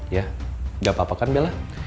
ya nggak apa apa kan bella